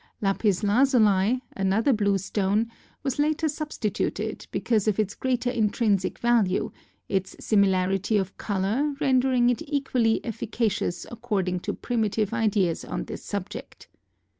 Lapis lazuli, another blue stone, was later substituted because of its greater intrinsic value, its similarity of color rendering it equally efficacious according to primitive ideas on this subject.